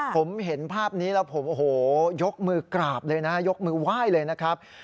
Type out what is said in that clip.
ผมเห็นภาพนี้แล้วผมโอ้โหยกมือกราบเลยนะยกมือไหว้เลยนะครับ